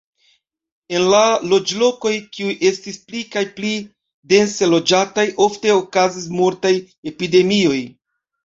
En la loĝlokoj, kiuj estis pli kaj pli dense loĝataj, ofte okazis mortaj epidemioj.